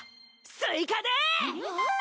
スイカだ！